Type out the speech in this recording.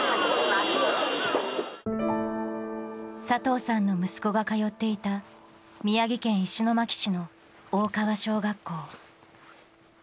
佐藤さんの息子が通っていた宮城県石巻市の大川小学校。